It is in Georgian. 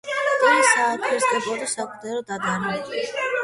ტრირის საარქიეპისკოპოსოს საკათედრო ტაძარი.